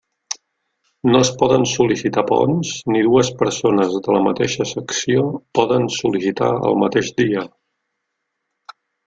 No es poden sol·licitar ponts, ni dues persones de la mateixa secció poden sol·licitar el mateix dia.